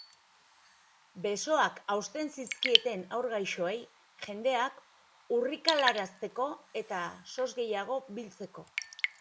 Besoak hausten zizkieten haur gaixoei, jendeak urrikalarazteko eta sos gehiago biltzeko.